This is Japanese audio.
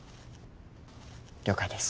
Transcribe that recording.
了解です。